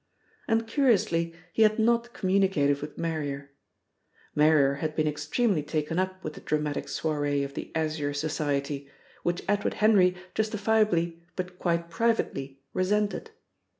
And, curiously, he had not communicated with Marrier. Marrier had been extremely taken up with the dramatic soirée of the Azure Society, which Edward Henry justifiably but quite privately resented.